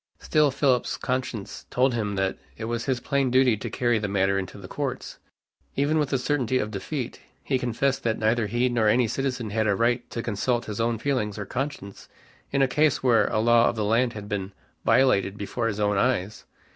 Still Philip's conscience told him that it was his plain duty to carry the matter into the courts, even with the certainty of defeat. He confessed that neither he nor any citizen had a right to consult his own feelings or conscience in a case where a law of the land had been violated before his own eyes.